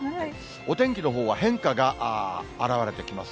お天気のほうは変化が現れてきます。